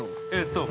◆そう。